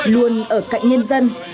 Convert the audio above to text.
luôn ở cạnh nhân dân